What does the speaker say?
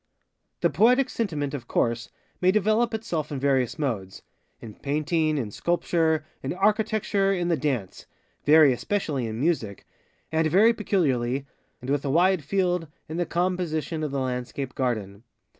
The Poetic Sentiment, of course, may develop itself in various modesŌĆöin Painting, in Sculpture, in Architecture, in the DanceŌĆövery especially in MusicŌĆöand very peculiarly, and with a wide field, in the com position of the Landscape Garden.